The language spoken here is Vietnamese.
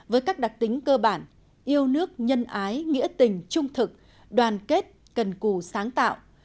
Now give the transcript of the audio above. với các đặc tính cơ bản yêu nước nhân ái nghĩa tình trung thực đoàn kết cần cù sáng tạo